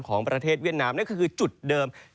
ของประเทศเวียดนามนั่นก็คือจุดเดิม